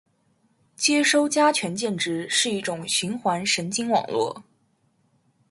接收加权键值是一种循环神经网络